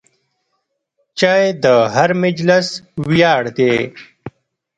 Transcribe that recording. چای د هر مجلس ویاړ دی.